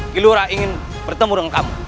gelora ingin bertemu dengan kamu